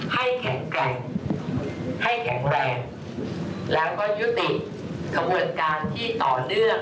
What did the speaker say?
ให้แข็งแรงแล้วก็ยุติกขบูรณกาศสู่ต่อเนื่อง